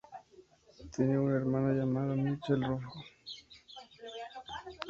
Tiene un hermano llamado Michael Ruffo.